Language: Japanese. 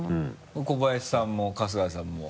小林さんも春日さんも。